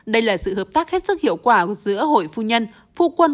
đây là sự hợp tác hết sức hiệu quả giữa hội phu nhân phu quân